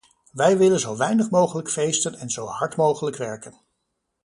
Wij willen zo weinig mogelijk feesten en zo hard mogelijk werken.